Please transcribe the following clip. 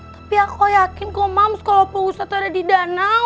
tapi aku yakin kamu kalau opo ustadz ada di danau